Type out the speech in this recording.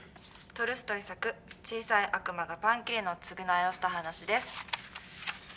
トルストイ作「小さい悪魔がパンきれのつぐないをした話」です。